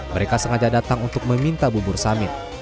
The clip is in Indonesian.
mereka sengaja datang untuk meminta bubur samit